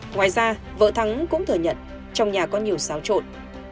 ngoài ra vợ thắng cũng thừa nhận trong nhà có nhiều xáo trộn